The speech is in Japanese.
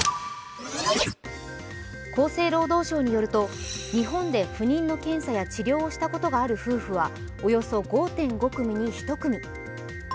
厚生労働省によると、日本で不妊の検査や治療をしたことがある夫婦はおよそ５．５組に１組。